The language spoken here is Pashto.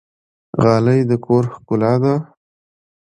غالۍ د کور ښکلا ده